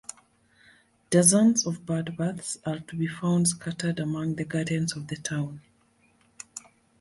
Dozens of birdbaths are to be found scattered among the gardens of the town.